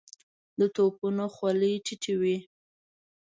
د توپونو خولې ټيټې وې.